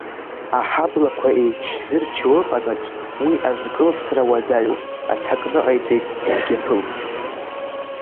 Аҳаблақәа еичзырчо ыҟанаҵ уи азкылсра уадаҩуп, аҭак ныҟаиҵеит Дгьаԥыл.